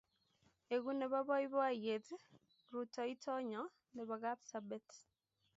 Egu nepo poipoyet rutoitonyo nepo Kapsabet